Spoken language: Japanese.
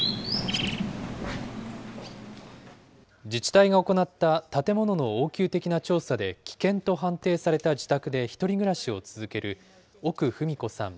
自治体が行った建物の応急的な調査で危険と判定された自宅で１人暮らしを続ける奥ふみ子さん